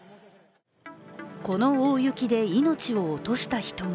この大雪で命を落とした人も。